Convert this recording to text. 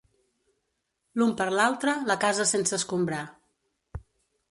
L'un per l'altre, la casa sense escombrar.